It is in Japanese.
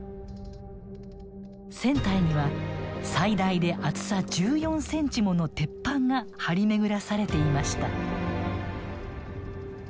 船体には最大で厚さ１４センチもの鉄板が張り巡らされていました。